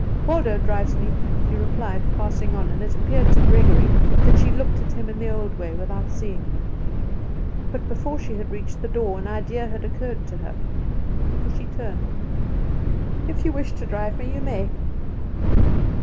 "Waldo drives me," she replied, passing on; and it appeared to Gregory that she looked at him in the old way, without seeing him. But before she had reached the door an idea had occurred to her, for she turned. "If you wish to drive me you may."